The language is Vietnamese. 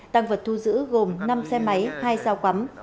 tăng vật thu giữ gồm năm xe máy hai sao quắm